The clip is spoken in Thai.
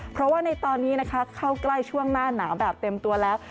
เพราะว่าในตอนนี้นะคะเข้าใกล้ช่วงหน้าหนาวแบบเต็มตัวแล้ว